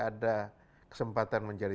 ada kesempatan menjadi